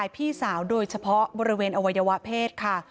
เพราะบริเวณอวัยวะเพศค่ะ